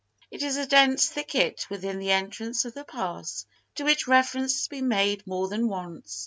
It is a dense thicket within the entrance of the pass, to which reference has been made more than once.